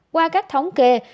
qua các thống kê